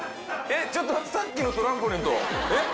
えっちょっと待ってさっきのトランポリンとえっ？